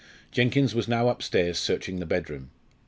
Jenkins was now upstairs searching the bedroom.